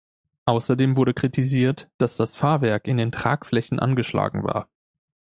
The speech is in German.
Außerdem wurde kritisiert, dass das Fahrwerk in den Tragflächen angeschlagen war.